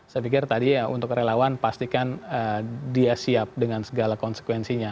saya pikir tadi ya untuk relawan pastikan dia siap dengan segala konsekuensinya